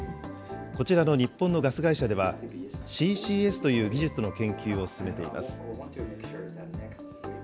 こちらの日本のガス会社では、ＣＣＳという技術の研究を進めています。